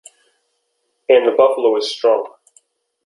And the buffalo is strong.